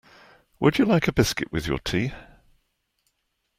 Would you like a biscuit with your tea?